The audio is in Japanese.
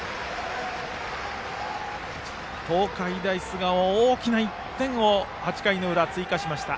東海大菅生、大きな１点を８回の裏に追加しました。